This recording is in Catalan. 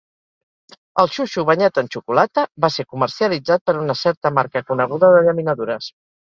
El xuixo banyat en xocolata va ser comercialitzat per una certa marca coneguda de llaminadures.